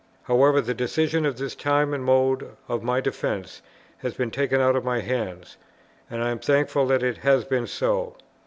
However, the decision of the time and mode of my defence has been taken out of my hands; and I am thankful that it has been so.